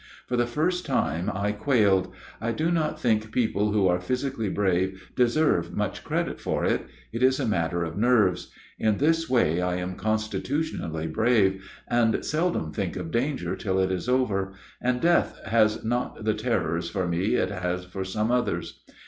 For the first time I quailed. I do not think people who are physically brave deserve much credit for it; it is a matter of nerves. In this way I am constitutionally brave, and seldom think of danger till it is over; and death has not the terrors for me it has for some others.